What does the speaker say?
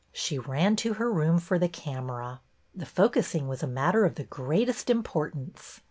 She ran to her room for the camera. The focussing was a matter of the greatest importance.